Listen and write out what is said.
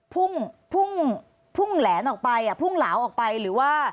พุ่งพุ่งแหลนออกไปอ่ะพุ่งเหลาออกไปหรือว่า